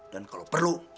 dan kalau perlu